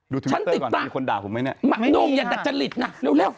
ดูทวิตเตอร์ก่อนมีคนด่าผมไหมเนี่ยนุ่มอย่าดัดจริดนะเร็วเร็ว